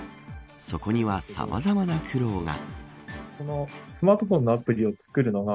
そこにはさまざまな苦労が。